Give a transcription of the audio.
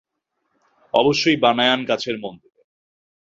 অবশ্যই বানয়ান গাছের মন্দিরে।